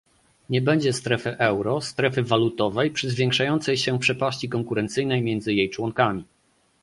Nie będzie strefy euro, strefy walutowej przy zwiększającej się przepaści konkurencyjnej między jej członkami